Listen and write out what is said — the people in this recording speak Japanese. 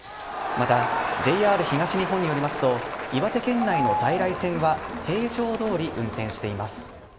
またＪＲ東日本によりますと岩手県内の在来線は平常通り運転しています。